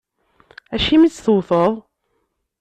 Acimi i tt-tewwteḍ?